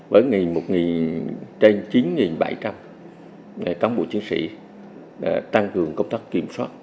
với một chín trăm linh bảy trăm linh cán bộ chiến sĩ tăng cường công tác kiểm soát